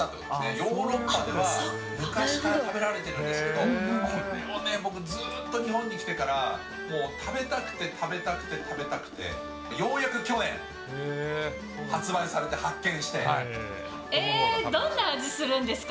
ヨーロッパでは昔から食べられているんですけど、これはね、僕ずっと日本に来てから食べたくて、食べたくて、食べたくて、ようやく去年、発売されて発見しえー、どんな味するんですか。